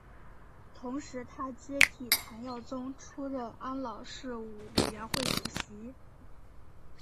同时他接替谭耀宗出任安老事务委员会主席。